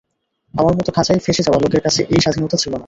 আমার মতো খাঁচায় ফেসে যাওয়া লোকের কাছে, এই স্বাধীনতা ছিল না।